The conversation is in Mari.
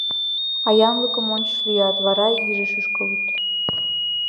А янлыкым ончыч лӱят, вара иже шӱшкылыт...